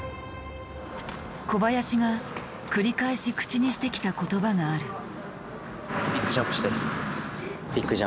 小林が繰り返し口にしてきた言葉がある。